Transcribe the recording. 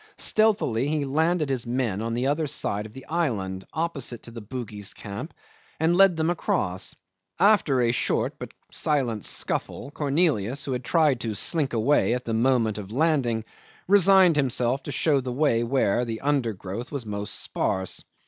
Stealthily he landed his men on the other side of the island opposite to the Bugis camp, and led them across. After a short but quite silent scuffle, Cornelius, who had tried to slink away at the moment of landing, resigned himself to show the way where the undergrowth was most sparse.